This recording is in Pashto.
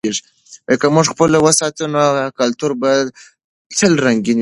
که موږ خپلواکي وساتو، نو کلتور به تل رنګین وي.